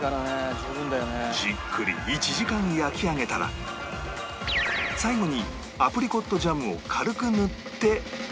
じっくり１時間焼き上げたら最後にアプリコットジャムを軽く塗って完成